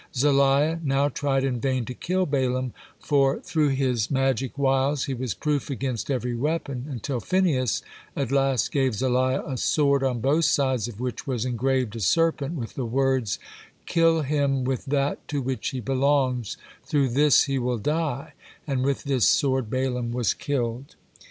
Zaliah now tried in vain to kill Balaam, for through his magic wiles he was proof against every weapon, until Phinehas at last gave Zaliah a sword on both sides of which was engraved a serpent, with the words, "Kill him with that to which he belongs through this he will die," and with this sword Balaam was killed.